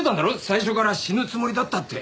最初から死ぬつもりだったって。